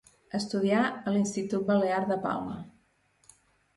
Estudià a l'Institut Balear de Palma.